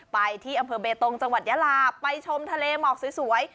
ไปที่อำเภอเบตงจังหวัดยาลาไปชมทะเลหมอกสวย